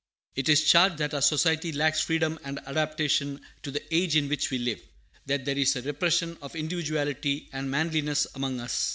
It is charged that our Society lacks freedom and adaptation to the age in which we live, that there is a repression of individuality and manliness among us.